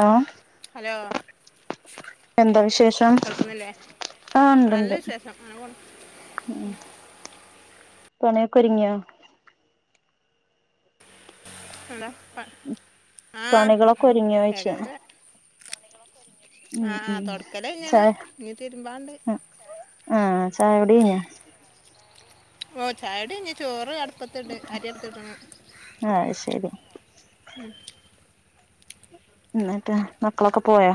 Hello hello എന്താ വിശേഷം കേൾക്കുന്നില്ലേ? എന്താ വിശേഷം? ആഹ് നല്ല ഉണ്ട്ണ്ട് വിശേഷം [inaudible] ഉം. പണിയൊക്കെ ഒരുങ്ങ്യോ? എന്താ പ ആഹ് പണികളൊക്കെ ഒരുങ്ങിയോയ്ച്ചാ ഏകദേശേ ഉം ഉം കഴിഞ്ഞാണ് ചായ ഇനി തിരുമ്പാണ്ട് ഉം ആ ചായ കുടി കയിഞ്ഞാ? ഓ ചായുടി കയിഞ്ഞ് ചോറ് അട് അട്പ്പത്തിണ്ട് അരിടുത്തിടണം ആഹ് അത് ശരി ഉം എന്നിട്ട് മക്കളൊക്കെ പോയ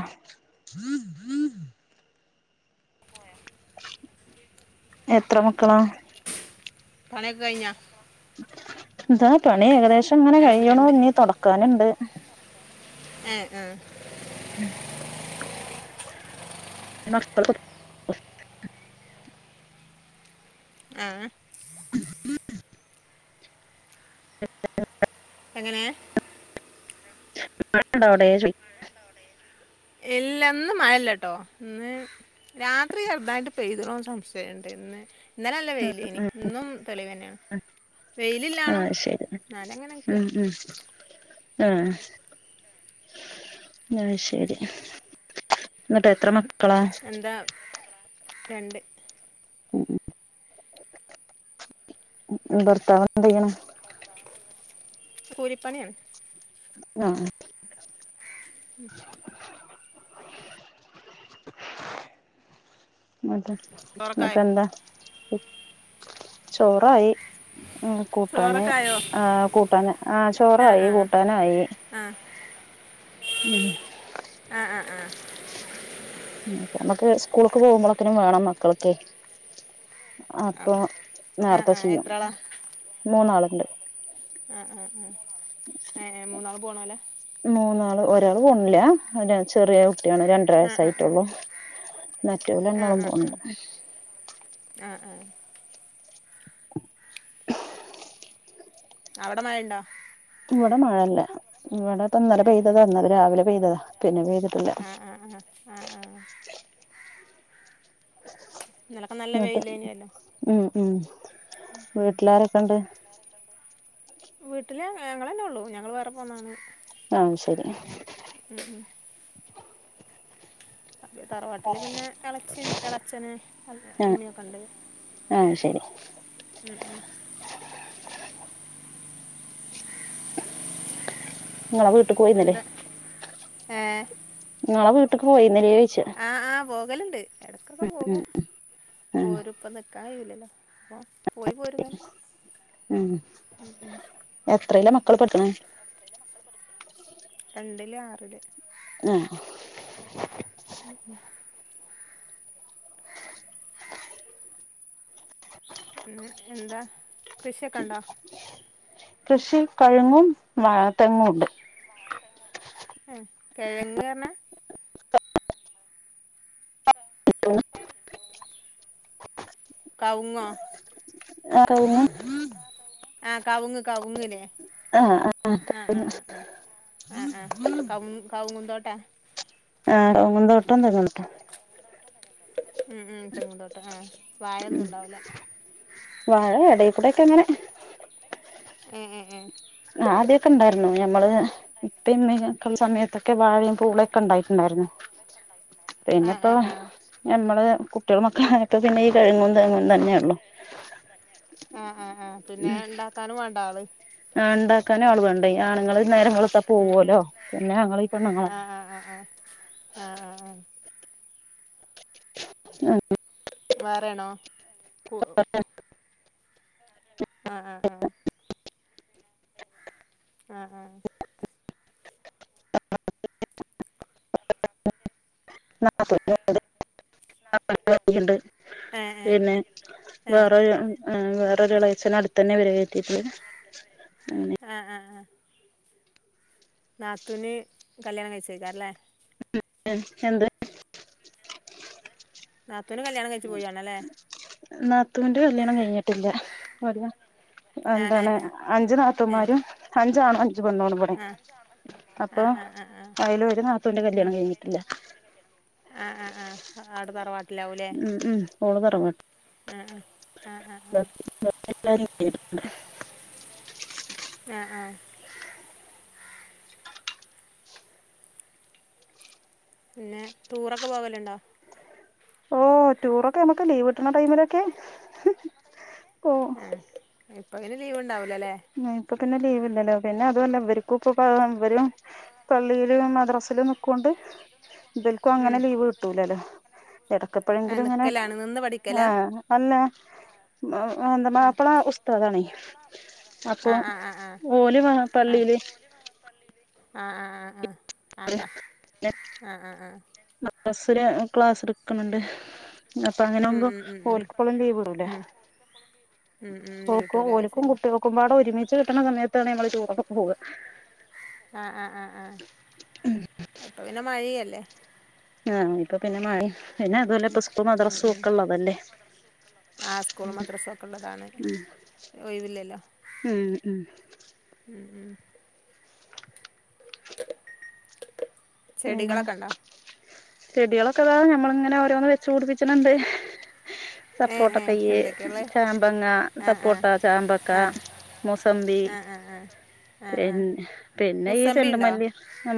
എത്ര മക്കളാ പണിയക്കെ കയിഞ്ഞോ ന്താ പണി ഏകദേശങ്ങനെ രണ്ട് കഴിയണു രണ്ട് ഇഞ്ഞി തൊടക്കാനുണ്ട്. ഏ ങ്ഹ് [unintelligible] ആ [unintelligible] എങ്ങനെ മഴണ്ടോ അവിടെ ചോയി ഇല്ല ന്ന് മഴല്ലാട്ടോ. ഇന്ന് രാത്രി ചെറുതായിട്ട് പെയ്തണോന്ന് സംശയ ണ്ട് ഇന്ന് ഇന്നലെല്ല വെയിലെനി ഇന്നും തെളിവെന്നെയാണ് വെയിലില്ലാണും ആഹ് ശരി ഇന്നാൽ അങ്ങനെ നിക ആ അ ശരി ന്നിട്ട് എത്ര മക്ക എന്താ? എത്ര മക്കളാ? രണ്ട് ഭർത്താവ് എന്ത്യ്യണ്? കൂലിപ്പണ്യാണ്. ആ ആ [inaudible] അതെ ചോറൊക്കായ ഇന്നട്ട് എന്താ ചോറായി ഉം കൂട്ടാന്. ചോറൊക്കായോ ആ കൂട്ടാന് ആഹ് ആ ചോറായി ആ കൂട്ടാനായി. മം ആ ആ നമ്മുക്ക് സ്കൂളക്ക് പോകുമ്പോളെക്കനും വേണം മക്കള് ക്കെ അപ്പ ആ നേർത്തെ ആ ചിയ്യും. എത്രാളാ മൂന്നാള്ണ്ട്. ആ ആ ആ ഏ മൂന്നാള് പോണല്ലേ മൂന്നാള് ഒരാള് പോണില്ല [unintelligible] ചെറിയ കുട്ടിയാണ് രണ്ടര ആ ആ ആ ആ വയസ്സായിട്ടുള്ളൂ മറ്റവല് രണ്ടാളും ആ പോണുണ്ട് ആ ആ ആ അവിടെ മഴണ്ടോ? ഇവിടെ മഴേല്ല ഇവിടെ ഇപ്പ ഇന്നലെ ആ ആ പെയ്തതാ ഇന്നലെ രാവിലെ പെയ്തതാ പിന്നെ പെയ്തിട്ടില്ല [inaudible] ആ ആ ആ ആ ആ ഇന്നലൊക്കെ നല്ല നട്ട് വെയിലേനിയല്ലോ ഉം ഉം വീട്ടിലാരൊക്കെ ഇണ്ട് വീട്ടില് ഞങ്ങളലന്നെ ഉള്ളൂ ഞങ്ങള് വേറെ പോന്നാണ് ആഹ് ശരി ഉം ഉം തറവാട്ടില് പിന്നെ എളച്ചി എളച്ചന് ആ ഇമ്മ യൊക്കെണ്ട് ആ ശരി ഉം ഉം ഇങ്ങളെ വീട്ട്ക്ക് പോയിന്ന്ല്ലേ എന്താ ഏ ഇങ്ങളെ വീട്ടക്ക് പോയിര് ആഹ് ആഹ് പോകലുണ്ട് ഇടക്കൊക്കെ പോകും ആഹ് പോരും ഇപ്പം നിക്കാൻകയൂല്ലല്ലോ അപ്പ പോയി പോരും ഇങ്ങനെ ഉം ഉം എത്രേലാ മക്കള് പടിക്കണെ രണ്ടില് ആറില് ഏഹ് എന്താ കൃഷിയൊക്കെ ഉണ്ടോ കൃഷി കഴുങ്ങും വാ തെങ്ങും ഉണ്ട് ഉ കിഴങ്ങ് പറഞ്ഞാ കൗങ്ങോ ആ കവുങ്ങും ആഹ് കൗങ്ങ് കൗങ്ങിലെ ആഹ് ആഹ് [unintelligible] ആഹ് ആഹ് കൗ കൗങ്ങുന്തോട്ടാ ആഹ് ആഹ് കവുങ്ങും തോട്ടം തെങ്ങും തോട്ടം ഉം ഉം തെങ്ങുന്തോട്ടാ ആ വാഴൊന്നും ഇണ്ടാവൂല വാഴ എടയിക്കൂടെക്കെ ഇങ്ങനെ ഏ ഏ ഏ [unintelligible] ഇപ്പ, ഇമ്മക്കോ ഉള്ള സമയത്തൊക്കെ വാഴയും പൂളൊക്കെ ഉണ്ടായിട്ടുണ്ടായിരുന്നു പിൻ ആ പിന്നെ ഇപ്പോ ആ ആ ഞമ്മള് കുട്ട്യേളും മക്കളും ആയപ്പ പിന്നെ ഈ കഴുങ്ങും തെങ്ങും തന്നെയുള്ളു ആഹ് ആ ആ പിന്നെ ഇണ്ടാക്കാനും വേണ്ടേ ആള് ആ ഇണ്ടാക്കാനും ആള് വേണം [unintelligible] ആണുങ്ങള് നേരം വെളുത്ത ഉം ഉം പോവല്ലോ പിന്നെ ഞങ്ങളീ പെണ്ണുങ്ങളല്ലേ ആഹ് ആഹ് ആഹ് ആഹ് വേറെണോ ആ ആ ആ [inaudible] ആഹ് ആഹ് [unintelligible] [unintelligible] ണ്ട് ഏഹ് പിന്നെ ഏഹ് ഏഹ് വേറെരുർ വേറെരുളച്ചന അടുത്ത തന്നെപെര കയറ്റി ക്കണ് അങ്ങനെ ആഹ് ആഹ് ആഹ് നാത്തൂന് കല്യാണം കഴിച്ച കേരല്ലേ [unintelligible] എന്ത് നാത്തൂന് കല്യാണം കഴിച്ചു പോയിആ ണല്ലേ നാത്തൂന്റെ കല്യാണം കഴിഞ്ഞിട്ടില്ല [unintelligible] ആഹ് എന്താണ് ഏഹ് അഞ്ചു ഏഹ് നാത്തന്മാരും അഞ്ചാണും അഞ്ചു പൊണ്ണോണവിടെ ഏഹ് അപ്പൊ ആഹ് ആഹ് ആഹ് ആഹ് ആഹ് അതില് ഒരു നാത്തൂന്റെ കല്യാണം കഴിഞ്ഞിട്ടില്ല ആഹ ആ ആ ആടെ തർവാ ഉം ഉം ഓള് തറ ആ അ [inaudible] ആഹ് ആ. പിന്നെ ടൂറൊക്കെ പോകലുണ്ടോ ഓഹ് ടൂറൊക്കെ നമ്മുക്ക് ലീവ് കിട്ടണ ടൈമിലൊക്കെ പോ അപ്പ അങ്ങനെ ലീവ്ണ്ടാവും ഇപ്പൊ തന്നെ ലീവില്ലല്ലോ പിന്നെ അതുല്ല വര് [unintelligible] ഇവര് പള്ളിയിലും മദ്രസിലും നിക്കൊണ്ട് ഇബൽക്കും ഉം അങ്ങനെ ലീവ് കിട്ടൂലല്ലോ ആഹ് എടക്കപ്പോഴെങ്കിലും ഇങ്ങനെ നിക്കലാണ് നിന്ന് പഠിക്കലാ ആഹ് അല്ലാ ആഹ് മാപ്പള ഉസ്താതാണേയ് അപ്പൊ ആഹ് ആഹ് ആഹ് ഓല് വാ ആഹ് പള്ളീല് ആഹ് ആഹ് ആഹ് ആഹ് അതാ ആഹ് ആഹ് ആഹ് ഇവര് ക്ലാസ് ട്ക്ക്‌ ക്ണുണ്ട്, അപ്പൊ ഉം അങ്ങനാവുമ്പോ ഉം ഉം ഉം ഓൽക്പ്പളും ലീവുടൂലേ. ഉം ഉം ഉം ഓക്കും നീട്ടൂല അത് ഓൽക്കും ശരിയാ കുട്ടീൾക്കുംമ്പാടോ ഒരുമി ച് കിട്ട്നാ സമയത്താണ് ഞങ്ങള് ടൂറൊക്കെ പോവ്വാ. അപ്പൊ പിന്നെ മഴിയല്ലേ. ആഹ്, ഇപ്പൊ പിന്നെ മയിം പിന്നെ അതുല്ലാ പ്പൊ സ്കൂള് ഉം മദ്രസും ഉം ഒക്കെ ള്ളതല്ലേ ആഹ്, സ്കൂൾ മദ്രസ ഒക്കെ ഉള്ളതാണ് ഒഴുവില്ലല്ലോ. ഉം ഉം ഉം ഉം ചെടികളൊക്കണ്ടോ ചെടിളൊക്കെതാ നമ്മള് ഇങ്ങനെ ഓരോന്ന് വെച്ചു പുടിപ്പിച് ണ് ണ്ട്. സപ്പോട്ട ഏഹ് ഏഹ് തയ്യ് എന്തൊക്കെയാ ഉള്ളെ ചാമ്പങ്ങ ആഹ് ആഹ് സപ്പോട്ടാ ചാമ്പക്ക ആഹ് മുസമ്പി ആഹ് ആഹ് ആഹ് ആഹ് ആഹ് പിന്നെ പിന്നെ ഈ മുസമ്പി ഉണ്ടോ ചെണ്ടുമല്ലി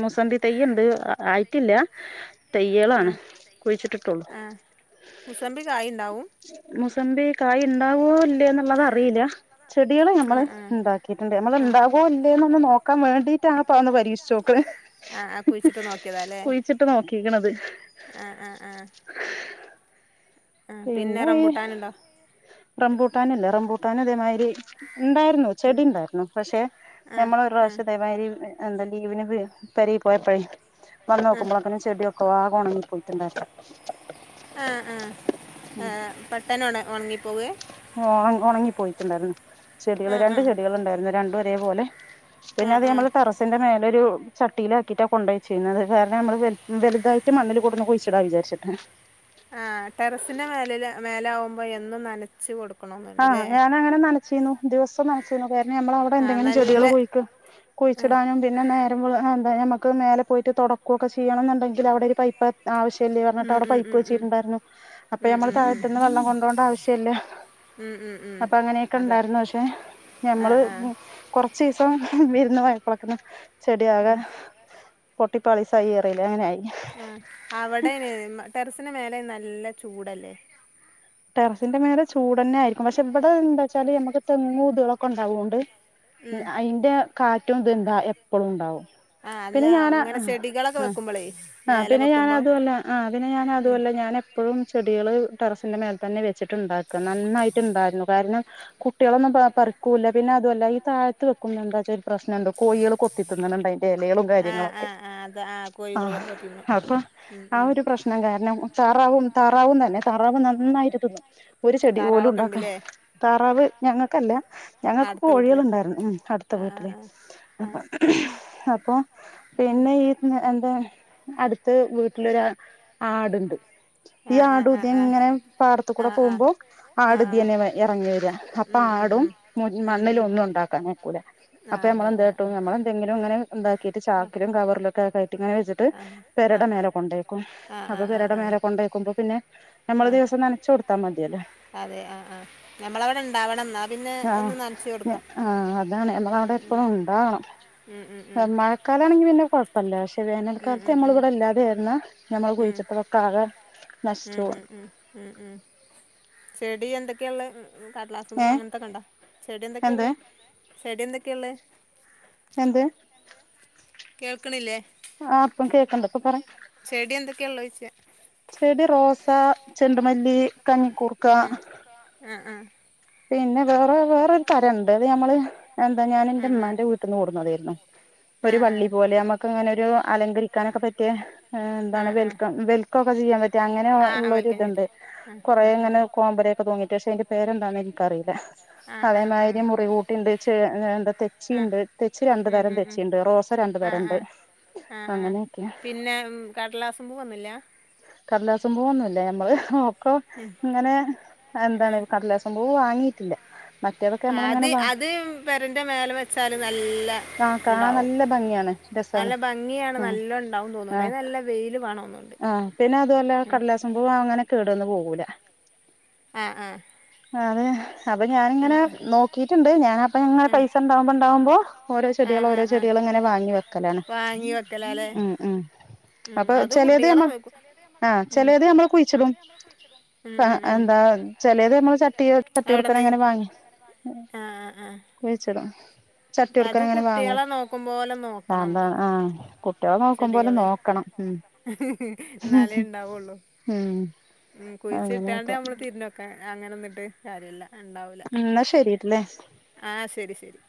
മുസമ്പി തേയ്യ് ത് ആയിട്ടില്ല തൈയ്യാലാണ് ആഹ് കുഴിച്ചിട്ടിട്ടൊള്ളൂ. ആഹ് മുസമ്പി കായ് ഉണ്ടാവും മുസമ്പി കായ് ഉണ്ടാവോ ഇല്ലേ എന്നുള്ളത് അറിയില്ല ചെടികള് നമ്മള് ആഹ് ആഹ് ഉണ്ടാക്കിട്ടുണ്ട് നമ്മൾ ആഹ് ഉണ്ടാവോ ഇല്ലേന്ന് ഒന്നൊന്ന് നോക്കാൻ വേണ്ടി കീട്ട ആ പാ ഒന്ന് പരീഷ്ച്ചോക്ക്‌ണ് ആഹ് ആഹ് കുഴിച്ചിട്ട് നോക്കിയതാല്ലേ കുഴിച്ചിട്ട് നോക്കിക്ണത്. ആഹ് ആ. [inaudible] ആഹ് പിന്നെ ഈ റംബൂട്ടാനുണ്ടോ റംബൂട്ടാൻ ഇല്ലേ റംബൂട്ടാൻ ഇതേമാതിരി ഉണ്ടായിരുന്നു ചെടി ഉണ്ടായിരുന്നു പക്ഷെ ആഹ് ഞമ്മള് ഒരു ആഹ് പ്രാവശ്യം ഇതേമാരി എന്താ ലീവിന് വാ പെരി പോയപ്പോ വന്ന് ആഹ് നോക്കുമ്പോളെ അങ്ങനെ ചെടിയൊക്കെ ആകെ ഉണങ്ങി പോയിട്ടുണ്ടായി ആഹ് ആഹ് ആഹ് പെട്ടന്ന് ഒണ ഒൺങ്ങി ഉണങ്ങി പോയിട്ടുണ്ടായിരുന്നു ചെടികൾ ആഹ് രണ്ട് ആഹ് ചെടികൾ ഉണ്ടായിരുന്നു രണ്ടും ഒരേ പോലെ പിന്നെ ആഹ് അത് ആഹ് നമ്മള് ടറസിന്റെ മേലെ ഒരു ചട്ടീലാക്കിട്ടാ കൊണ്ടയ്ച്ചീന്നത് കാരണം നമ്മള് വൽ വല്തായിട്ട് മണ്ണില് കൊടുന്ന് കുഴിച്ചിടാ വിചാരിച്ചിട്ട്. ആഹ് ടെറസിന്റെ മേലെല് മേലെ ആവുമ്പോ എന്നും നനച്ചു കൊടുക്കും. ആഹ് ഞാന് അങ്ങനെ നനച്ചിരുന്നു ദിവസം നനച്ചിരുന്നു കാരണം ഞമ്മള് അവിടെ ആഹ് എന്തെങ്കിലും ചെടികൾ നല്ല കുഴിക്ക ആഹ് പിടിച്ചിടാനും പിന്നെ നേര വേ ന്താ നമ്മക്ക് മേലെ പോയിട്ട് തൊടക്ക് ഒക്കെ ചിയ്യണം ന്നുണ്ടെങ്കില് അവടെ ഒരു പൈപ്പ് അ ആവശ്യല്ല പറഞ്ഞിട്ട് ഉം അവിടെ ഉം പൈപ്പ് ഉം ഉം വെച്ചിട്ടുണ്ടായിരുന്നു അപ്പൊ ഉം നമ്മൾ ഉം ഉം താഴത്തുനിന്ന് വെള്ളം കൊണ്ടോരണ്ട ആവശ്യമില്ല ഉം ഉം ഉം അപ്പൊ അങ്ങനെയൊക്കെ അതെ ണ്ടാർന്നു പക്ഷെ ഞമ്മള് ആഹ് ആഹ് കൊറച്ചീസ ഇപ്പം വിരുന്ന് പോയപ്പൊളോക്കേ ചെടിയാകെ പൊട്ടിപ്പാളിസായിറീലേ അങ്ങനെ ആയി. ആഹ് അവ്ടെ ന് ടറസിന്റെ മേലെ നല്ല ചൂടല്ലേ ടറസിന്റെ മേലെ ചൂടന്നെ ആരിക്കും പക്ഷെ ഇവ്ടെ എന്താച്ചാല് ഞമ്മക്ക് തെങ്ങും ഇത്കളൊ ക്കെ ഉണ്ടാവൊണ്ട് ഉം അയ്ന്റെ കാറ്റും ഇത് എന്താ എപ്പളും ഉണ്ടാവും. ആഹ് അല്ല പിന്നെ ഞാനാ ഇങ്ങനെ ആഹ് ചെടികളൊക്കെ ആഹ് വെക്കുമ്പോളേ ആഹ് മേലെ പിന്നെ വെക്കുമ്പോ ഞാനതുവല്ല ആഹ് പിന്നെ ഉം ഞനതുവല്ല ഞാനെപ്പഴും ചെടികള് ടറസിന്റെ മേ തന്നെ വെച്ചിട്ട്ണ്ടാക്ക നന്നായിട്ട്ണ്ടാരുന്നു കാരണം കുട്ടികളൊന്നും പറിക്കൂല്ല പിന്നെ അതുവല്ല ഈ താ ഴത്ത് വെക്കുമ്പ എന്താച്ച ഒര് പ്രശ്നംണ്ട് കോയികള് കൊത്തിത്തിന്ന്ണ് ണ്ട് അയ്ന്റെ എലകളും ആഹ് കാര്യങ്ങളുംക്കെ. ആഹ് ആഹ് അത് കോഴികൾ ആഹ് തിന്നും അപ്പം ഉം ആ ഉം ഒര് പ്രശ്നം കാരണം താറാവും താറാവും തന്നെ താറാവ് നന്നായി ത്തിതിന്നും ഒര് ചെടി പോലും താറാവൊക്കെ ഉണ്ടാക്കാൻ ഉണ്ടില്ലേ താറാവ് ഞങ്ങക്കല്ല ആഹ് ഞങ്ങക്ക് അടുത്ത വീട്ടില് കോഴികള്ണ്ടാരുന്നു ഉം അട്ത്ത ആഹ് വീട്ടിലേ ആഹ് അപ്പം പിന്നെ ഈ എന്താ അടുത്ത വീട്ടിലൊര് ആട്ണ്ട് ഈ ആഹ് ആടും ആഹ് ആഹ് ഇദിയേ ആഹ് ഇങ്ങനെ ആഹ് പാടത്തുകൂടെ ആഹ് പോവ്മ്പോ ആഹ് ആട് ആഹ് ആഹ് ഇതിയേനെ എറങ്ങി വരിയാ അപ്പൊ ഉം ഉം ആടും ഉം ഉം മണ്ണിൽ ഉം ഒന്നുംണ്ടാ ആക്കാനയ്ക്കൂല അപ്പൊ ആഹ് നമ്മെള് അതെ എന്ത് ആഹ് കാട്ടും നമ്മെന്തെങ്കിലും ഇങ്ങനെ എന്താക്കിട്ട് ചാക്കിലും കവറിലൊക്കെകയറ്റി ഇങ്ങനെ വെച്ചിട്ട് ആഹ് പേ ആഹ് രെടെ ആഹ് മേലെ ആഹ് കൊണ്ടയ്ക്കും ആഹ് ആഹ് അപ്പം ആഹ് പേരെടെ ആഹ് മേലെ കൊണ്ടയ്ക്കുമ്പോപിന്നെ ഞമ്മള് ആഹ് ദി നനച്ചോടുത്താ മതിയല്ലേ അതെ ആഹ് ആഹ് ഞമ്മള അവ്ടെ ഉണ്ടാവണം എന്നാ പിന്നെ ആഹ് എന്നും നനച്ച് കൊടുക്കാം ഉം ഉം പ്പഴും ഉം ഉണ്ടാവണം മഴക്കാല ആണെങ്കി പിന്നെ കൊ പല്ലാശ്യ ഉം വേനൽക്കാലത്ത് ഉം ഞമ്മളിവ്ടെ ഇല്ലാതായിരുന്ന ഞമ്മള് ഉം കുഴിച്ചിട്ടൊക്കെ ആകെ ഉം നശിച്ചു പോവും ഉം ഉം ഉം ഉം ചെടി എന്തൊക്കെയാള്ളേ കടലാസും പൂ ഏഹ് അങ്ങനത്തൊക്കെണ്ടോ ചെടി എന്ത് എന്തൊക്കെയള്ളേ ചെടി എന്തൊക്കെയ്ള്ളേ എന്ത്? കേൾക്ക്ണില്ലേ? ആഹ് ഇപ്പ കേക്ക്ണ്ട് ഇപ്പ പറെ ക്കെള്ളേയിച്ചേ ചെടി റോസ ചെണ്ടുമല്ലി കഞ്ഞിക്കൂർക്ക ആ ആ പിന്നെ വേറെ വേറൊരു തരംണ്ട് അത് ഞമ്മള് എന്താ ഞാൻ ആ ആ ഇന്റെമ്മാന്റെ വീട്ട്ന്ന് കൊട്ന്നതേയ്നു. ആ ഒരു വള്ളി ആ പോലെ നമ്മക്കങ്ങനൊരു അലങ്കരിക്കാനൊക്കെ പറ്റിയ എന്താണ് ആ ആ വെൽക്കം വെൽക്കൊക്കെ ചെയ്യാൻ പറ്റിയ അങ്ങനെ ആ ആ വെൽക്കം ഉള്ളരിതൊ ചെയ്ത് ണ്ട് ആ കൊറെ ആ ആ ഇങ്ങനെ കോമ്പല ഒക്കെ തൂങ്ങീട്ട് പക്ഷെ അയിന്റെ പേരെന്താ ന്ന് എനിക്ക് അ അറിയില്ല ആ ആ കളയ ആ ആ അയില് മുറികൂട്ടിണ്ട് ചെ എന്താ തെച്ചിണ്ട് തെച്ചി രണ്ട് ഉം തരം തെച്ചിണ്ട് റോസ രണ്ട് തരണ്ട് ആഹ് ആഹ് അങ്ങനെയൊക്കെ പിന്നെ കടലാസുംപൂ ഒന്നുംഇല്ലാ കടലാസും പൂവൊന്നുല്ല ഞമ്മള് നോക്കാം ഇങ്ങനെ ആ എന്താണ് കടലാസും പൂവാ വാങ്ങിട്ടില്ല. അത് അത് പെരന്റെ മേല വെച്ചാല് ആഹ് കാണാൻ നല്ലണ്ടാവും. നല്ല ഭംഗിയാണ് രസാണ് നല്ല ഭംഗിയാണ് ആഹ് നല്ലേണ്ടാവും തോന്നുന്ന്ണ്ട് ആഹ് അയ്ന് നല്ല വെയില് വേണംന്ന്ണ്ട് ആഹ് പിന്നെ അതുവല്ല കടലാസുംപൂ അങ്ങനെ കേട് വന്ന് പോകൂല ആഹ് ആഹ് ആണ് അപ്പ ഞാനങ്ങനെ നോക്കിറ്റ്ണ്ട് ഞാൻ അപ്പങ്ങനെ പൈസണ്ടാവ്മ്പോ ഇണ്ടാവ്മ്പോ ആ ആ ഓരോചെടികള് ആ ആ ഓരോചെടികളിങ്ങ ങ്ങനെ വാങ്ങി വെക്കലാണ് വാങ്ങി വെക്കലാല്ലേ ഉം ഉം ഉം അപ്പൊ അത് ചെലത് കുട്ടികളെ ഞമ്മ വെക്കും ആഹ് ഉം ചെലേത് ഞമ്മള് കുയ്ച്ചിടും. ഉം ആഹ് ഉം ഉം എന്താ ചെലത് ഞമ്മള് ചട്ടി അവിടെന്ന് ചട്ടിയൊടുക്കങ്ങനെ വാ വാങ്ങി ആ ആ ആ കുഴിച്ചതാ അത് കുട്ടിയാളെ നോക്കുമ്പോലെ നോക്കണം അതാ അമ്മള് ആഹ് കുട്ടികളെ നോക്കും പോലെ ചെടികള് നോക്കണം ഉം എന്നാലേ ഉണ്ടാവൊള്ളൂ ഉം ഉം അങ്ങനെയൊക്കെ കുയിച്ചിട്ടാണ്ടമ്മള് തിരിഞ്ഞോക്കാ അങ്ങനൊന്നിട്ട് കാര്യല്ലണ്ടാവൂല എന്നാ ശരിട്ടല്ലേ ആഹ് ശെരി ശെരി.